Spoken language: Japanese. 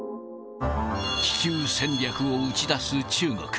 気球戦略を打ち出す中国。